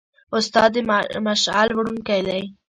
استاد د مشعل وړونکی دی.